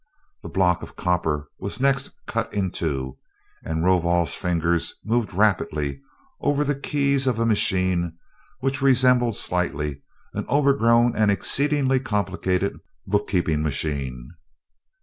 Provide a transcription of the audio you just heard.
The block of copper was next cut in two, and Rovol's fingers moved rapidly over the keys of a machine which resembled slightly an overgrown and exceedingly complicated book keeping machine.